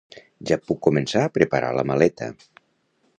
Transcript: Ja puc començar a preparar la maleta